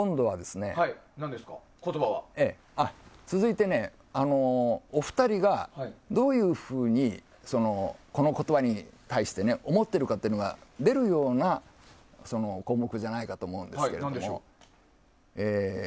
続いて、お二人がどういうふうにこの言葉に対して思っているかが出るような項目じゃないかと思うんですが。